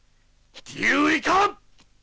理由いかん！